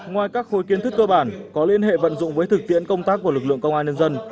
ngoài các khối kiến thức cơ bản có liên hệ vận dụng với thực tiễn công tác của lực lượng công an nhân dân